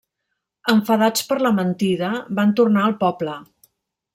Enfadats per la mentida van tornar al poble.